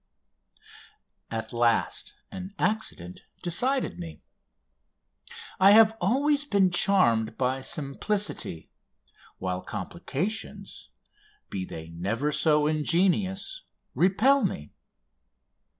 At last an accident decided me. I have always been charmed by simplicity, while complications, be they never so ingenious, repel me.